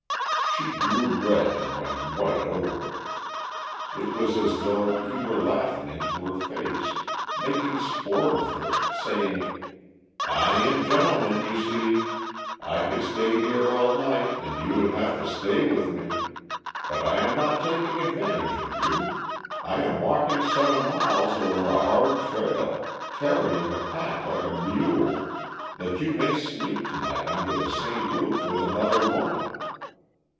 She grew red and went white over it. It was as though he were laughing into her face, making sport of her, saying, "I am a gentleman, you see. I could stay here all night, and you would have to stay with me! But I am not taking advantage of you; I am walking seven miles over a hard trail, carrying a pack like a mule, that you may sleep tonight under the same roof with another woman."